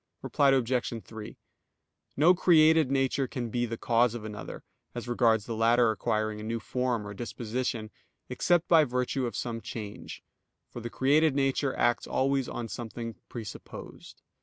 Reply Obj. 3: No created nature can be the cause of another, as regards the latter acquiring a new form, or disposition, except by virtue of some change; for the created nature acts always on something presupposed.